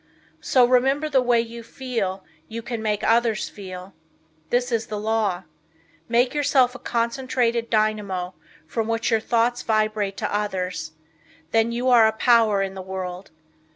So remember the way you feel you can make others feel. This is the law. Make yourself a concentrated dynamo from which your thoughts vibrate to others. Then you are a power in the world.